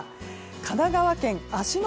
神奈川県芦ノ